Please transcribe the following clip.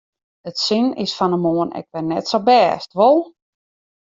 It sin is fan 'e moarn ek wer net sa bêst, wol?